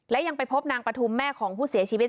และยังไปพบนางปฐุมแม่ของผู้เสียชีวิต